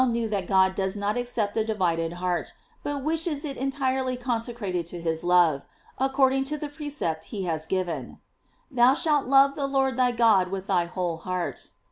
knew that God does not accept a divided heart, but wishes it entirely consecrated to his love, ac cording to the precept he has given: "Thou shalt love the Lord thy God with thy whole heart."